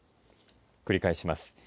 繰り返します。